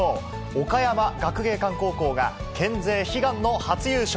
岡山学芸館高校が県勢悲願の初優勝。